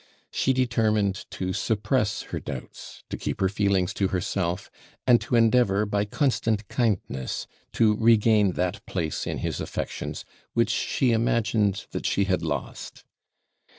She determined to suppress her doubts, to keep her feelings to herself, and to endeavour, by constant kindness, to regain that place in his affections which she imagined that she had lost.